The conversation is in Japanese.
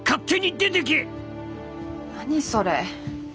何それ。